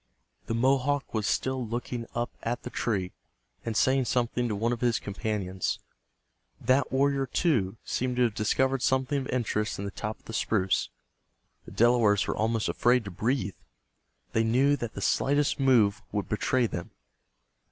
The Mohawk was still looking up at the tree, and saying something to one of his companions. That warrior, too, seemed to have discovered something of interest in the top of the spruce. The Delawares were almost afraid to breathe. They knew that the slightest move would betray them.